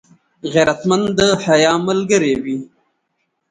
غیرتمند د حیا ملګری وي